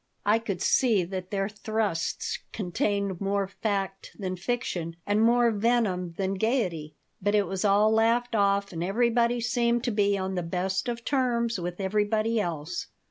I could see that their thrusts contained more fact than fiction and more venom than gaiety, but it was all laughed off and everybody seemed to be on the best of terms with everybody else.